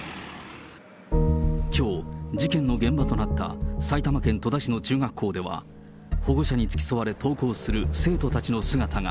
きょう、事件の現場となった、埼玉県戸田市の中学校では、保護者に付き添われ登校する生徒たちの姿が。